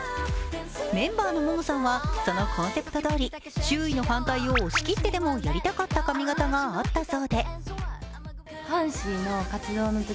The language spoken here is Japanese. メンバーのモモさんはそのコンセプトどおり周囲の反対を押し切ってでもやりたかった髪形があったそうで。